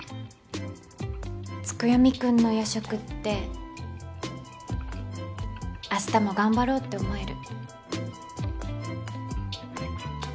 月読くんの夜食って明日も頑張ろうって思える。